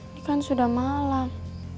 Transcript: ini kan sudah malam